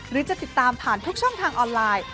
หรือจะติดตามผ่านทุกช่องทางออนไลน์